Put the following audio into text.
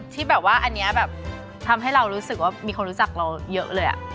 ที่แบบว่าอันนี้แบบทำให้เรารู้สึกว่ามีคนรู้จักเราเยอะเลย